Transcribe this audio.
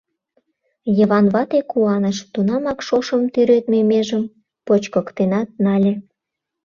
Йыван вате куаныш, тунамак шошым тӱредме межым почкыктенат нале.